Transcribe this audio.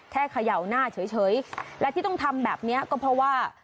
เขย่าหน้าเฉยและที่ต้องทำแบบนี้ก็เพราะว่า